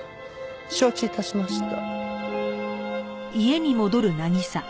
承知致しました。